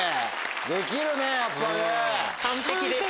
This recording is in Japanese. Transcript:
できるねやっぱね。